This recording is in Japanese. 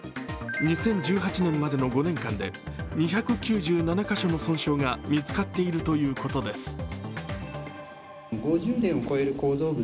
２０１８年までの５年間で２９７カ所の損傷が見つかっているというこｔです。